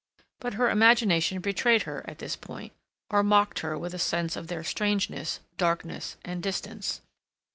But her imagination betrayed her at this point, or mocked her with a sense of their strangeness, darkness, and distance.